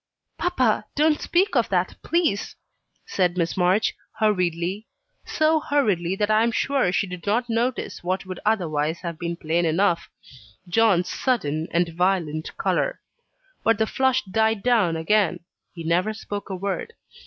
"Papa, don't speak of that, please," said Miss March, hurriedly; so hurriedly that I am sure she did not notice what would otherwise have been plain enough John's sudden and violent colour. But the flush died down again he never spoke a word.